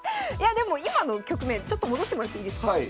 いやでも今の局面ちょっと戻してもらっていいですか？